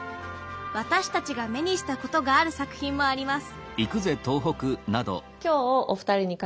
私たちが目にしたことがある作品もあります